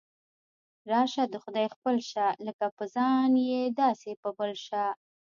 راشه د خدای خپل شه، لکه په ځان یې داسې په بل شه.